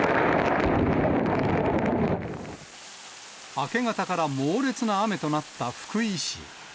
明け方から猛烈な雨となった福井市。